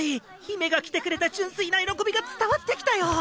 姫が来てくれた純粋な喜びが伝わってきたよ。